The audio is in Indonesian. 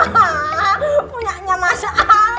jangan lupa untuk berlangganan